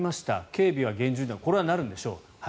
警備は厳重にこれはなるんでしょう。